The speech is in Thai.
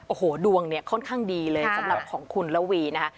โอ้โหดวงเนี่ยค่อนข้างดีเลยสำหรับของคุณระวีนะคะ